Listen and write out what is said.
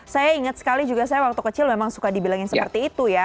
saya ingat sekali juga saya waktu kecil memang suka dibilangin seperti itu ya